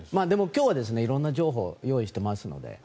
今日は色んな情報を用意していますので。